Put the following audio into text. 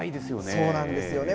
そうなんですよね。